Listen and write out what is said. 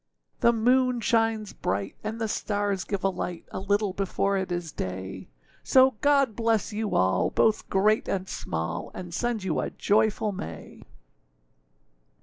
The moon shines bright, and the stars give a light, A little before it is day; So God bless you all, both great and small, And send you a joyful May!